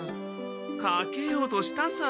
かけようとしたさ。